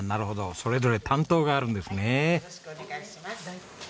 それぞれ担当があるんですね。